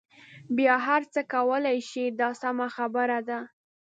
بیا هر څه کولای شئ دا سمه خبره ده.